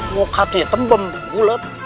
muka itu tembem bulat